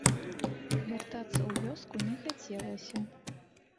Вяртацца ў вёску не хацелася.